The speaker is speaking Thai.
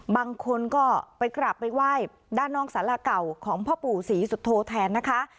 บางคนก็ไปกราบไปไหว้ด้านนอกสาราเก่าของพ่อปู่ศรีสุโธแทนนะคะ